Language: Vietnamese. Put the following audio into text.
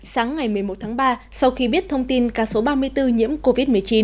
sáng ngày một mươi một tháng ba sau khi biết thông tin ca số ba mươi bốn nhiễm covid một mươi chín